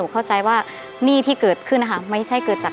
ก็คิดว่าไม่มีใครรับได้ค่ะ